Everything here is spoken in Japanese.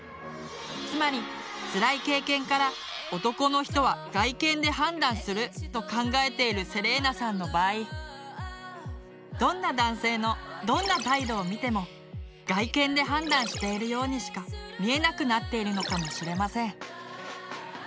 つまりつらい経験から「男の人は外見で判断する」と考えているセレーナさんの場合どんな男性のどんな態度を見ても外見で判断しているようにしか見えなくなっているのかもしれません。